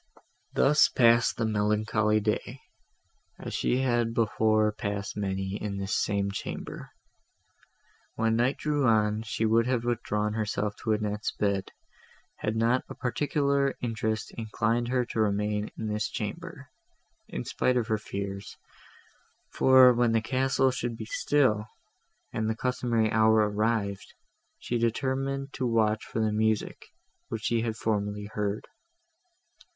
Thus passed the melancholy day, as she had before passed many in this same chamber. When night drew on, she would have withdrawn herself to Annette's bed, had not a particular interest inclined her to remain in this chamber, in spite of her fears; for, when the castle should be still, and the customary hour arrived, she determined to watch for the music, which she had formerly heard.